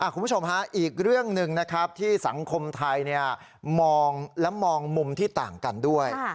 คุณผู้ชมฮะอีกเรื่องหนึ่งนะครับที่สังคมไทยมองและมองมุมที่ต่างกันด้วย